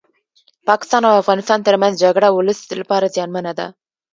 پاکستان او افغانستان ترمنځ جګړه ولس لپاره زيانمنه ده